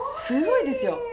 すごいですよ！